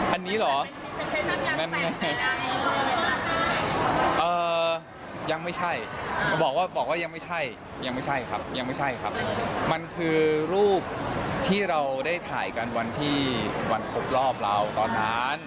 อันนี้เหรอนั่นไงอ่ายังไม่ใช่บอกว่ายังไม่ใช่ยังไม่ใช่ครับมันคือรูปที่เราได้ถ่ายกันวันที่วันครบรอบเราก่อนนั้น